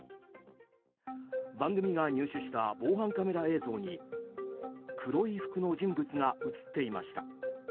番組が入手した防犯カメラ映像に黒い服の人物が映っていました。